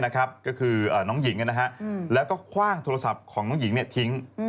ก็คือน้องหญิงแล้วก็คว่างโทรศัพท์ของน้องหญิงทิ้ง